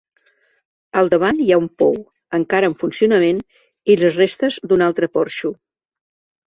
Al davant hi ha un pou, encara en funcionament i les restes d'un altre porxo.